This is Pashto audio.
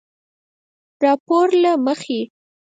راپورله مخې